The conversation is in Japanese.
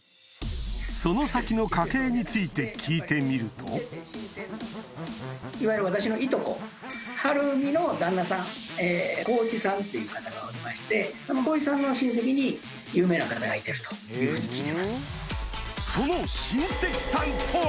その先の家系について聞いてみるといわゆる私のいとこ晴美の旦那さん幸一さんっていう方がおりましてその幸一さんの親戚に有名な方がいてるというふうに聞いてます。